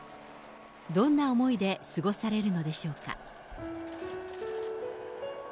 どんな思いで過ごされるのでしょうか。